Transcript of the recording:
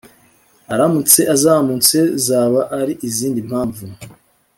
aramutse azamutse zaba ari izindi mpamvu